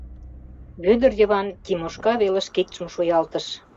— Вӧдыр Йыван Тимошка велыш кидшым шуялтыш.